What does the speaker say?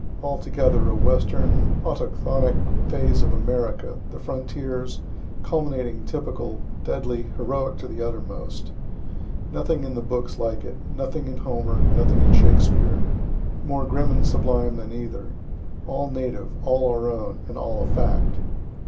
Altogether a western, autochthonic phase of America, the frontiers, culminating, typical, deadly, heroic to the uttermost nothing in the books like it, nothing in Homer, nothing in Shakspere; more grim and sublime than either, all native, all our own, and all a fact.